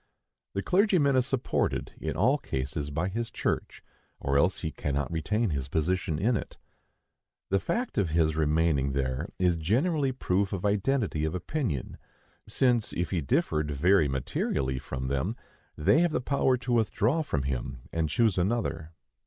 The clergyman is supported, in all cases, by his church, or else he cannot retain his position in it. The fact of his remaining there is generally proof of identity of opinion, since if he differed very materially from them, they have the power to withdraw from him and choose another.